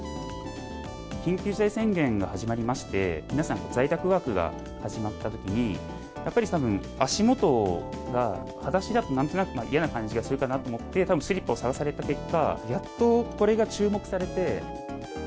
緊急事態宣言が始まりまして、皆さん在宅ワークが始まったときに、やっぱりたぶん、足元がはだしだとなんとなく嫌な感じがするかなと思って、たぶんスリッパを探された結果、やっとこれが注目されて。